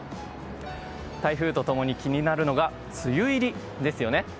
台風と共に気になるのが梅雨入りですよね。